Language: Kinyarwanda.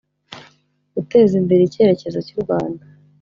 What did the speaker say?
guteza imbere icyerekezo cy u Rwanda